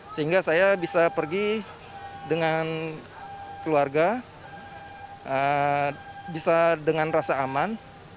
sehingga saya bisa pergi dengan keluarga bisa dengan rasa aman